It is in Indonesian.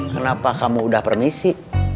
kenapa kamu udah permisi